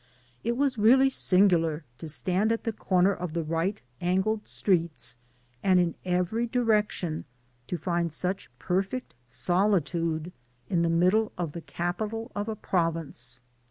It was really singular to stand at the corner of the right angled streets, and in every direction to find such perfect solitude in the middle of the capital of a province.